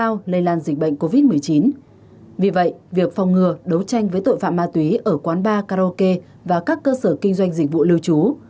ở quán ba karaoke và các cơ sở kinh doanh dịch vụ lưu trú